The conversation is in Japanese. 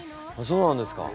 そうなんですか。